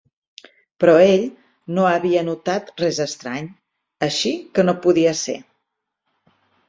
Però ell no havia notat res estrany, així que no podia ser.